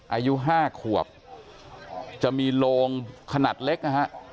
อายุ๕ขวบจะมีโลงขนาดเล็กนะฮะ